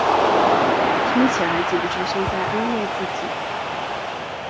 听起来简直像在安慰自己